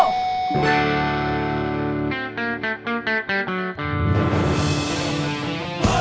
kita daftar smk aja yuk